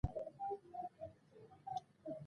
د ژبې د روزنې لپاره ښوونځي جوړول اړین دي.